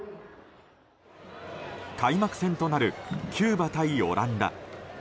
開幕戦となるキューバ対オランダ。